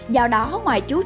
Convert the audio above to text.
do đó ngoài chú trị